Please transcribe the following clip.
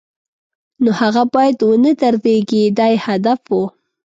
نو هغه باید و نه دردېږي دا یې هدف و.